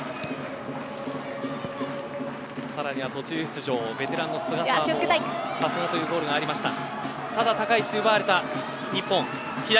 さらには途中出場ベテランの菅澤もさすがというゴールがありました。